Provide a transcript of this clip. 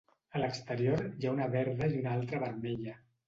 A l’exterior hi ha una verda i una altra vermella.